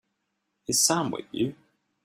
Is Sam with you?